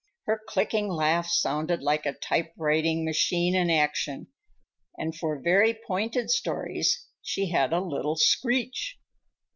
Her clicking laugh sounded like a typewriting machine in action, and, for very pointed stories, she had a little screech.